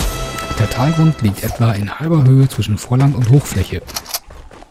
Der Talgrund liegt etwa in halber Höhe zwischen Vorland und Hochfläche.